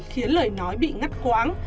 khiến lời nói bị ngắt quáng